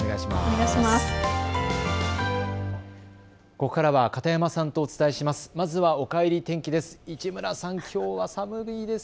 ここからは片山さんとお伝えします。